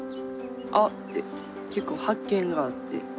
「あっ！」って結構発見があって。